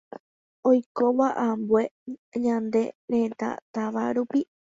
oikóva ambue ñane retã táva rupi